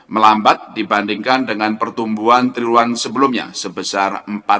melambat dibandingkan dengan pertumbuhan triluan sebelumnya sebesar empat sembilan puluh tujuh